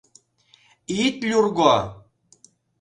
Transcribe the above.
Ит люрго!